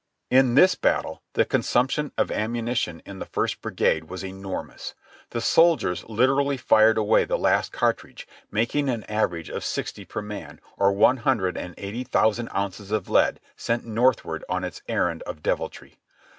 In this battle the consumption of ammunition in the First Bri gade was enormous. The soldiers literally fired away the last cartridge, making an average of sixty per man, or one hundred and eighty thousand ounces of lead sent Northward on its errand of deviltry.